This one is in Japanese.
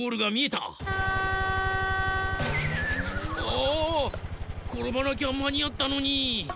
あころばなきゃまにあったのに！